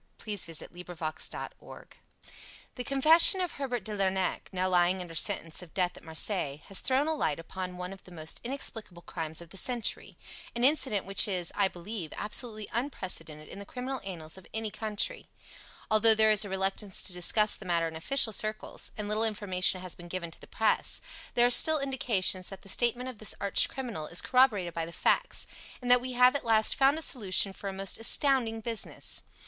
Tales of Mystery The Lost Special The confession of Herbert de Lernac, now lying under sentence of death at Marseilles, has thrown a light upon one of the most inexplicable crimes of the century an incident which is, I believe, absolutely unprecedented in the criminal annals of any country: Although there is a reluctance to discuss the matter in official circles, and little information has been given to the Press, there are still indications that the statement of this arch criminal is corroborated by the facts, and that we have at last found a solution for a most astounding business.